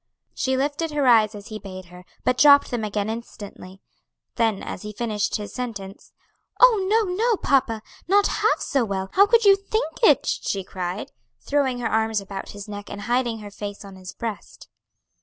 She lifted her eyes as he bade her, but dropped them again instantly; then as he finished his sentence, "Oh, no, no, papa! not half so well; how could you think it?" she cried, throwing her arms about his neck, and hiding her face on his breast.